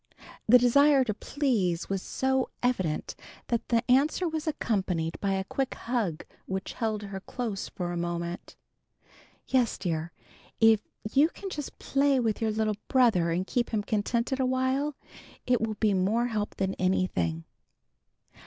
The desire to please was so evident that the answer was accompanied by a quick hug which held her close for a moment. "Yes, dear, if you can just play with your little brother and keep him contented awhile, it will be more help than anything."